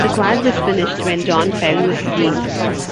The quad was finished when John Fell was Dean.